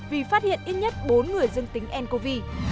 vì phát hiện ít nhất bốn người dương tính ncov